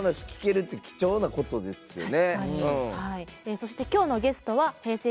そして今日のゲストはＨｅｙ！